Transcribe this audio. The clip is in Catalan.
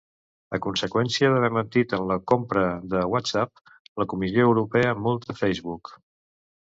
A conseqüència d'haver mentit en la compra de Whatsapp, la Comissió Europea multa Facebook.